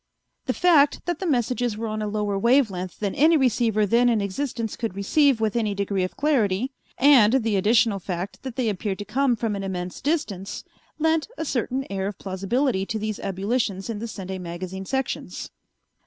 The fact that the messages were on a lower wave length than any receiver then in existence could receive with any degree of clarity, and the additional fact that they appeared to come from an immense distance lent a certain air of plausibility to these ebullitions in the Sunday magazine sections.